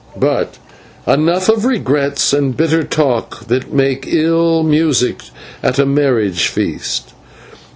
But enough of regrets and bitter talk, that make ill music at a marriage feast.